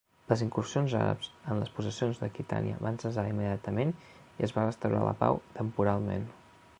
Les incursions àrabs en les possessions d'Aquitània van cessar immediatament i es va restaurar la pau temporalment.